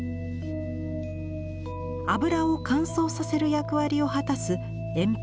油を乾燥させる役割を果たす鉛白。